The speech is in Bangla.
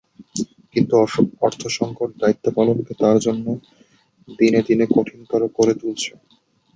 কিন্তু অর্থসংকট দায়িত্ব পালনকে তাঁর জন্য দিনে দিনে কঠিনতর করে তুলছে।